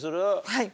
はい！